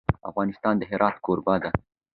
افغانستان د هرات کوربه دی.